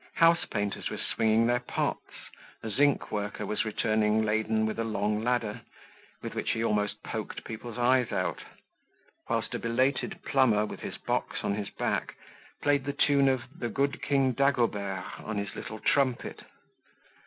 House painters were swinging their pots; a zinc worker was returning laden with a long ladder, with which he almost poked people's eyes out; whilst a belated plumber, with his box on his back, played the tune of "The Good King Dagobert" on his little trumpet.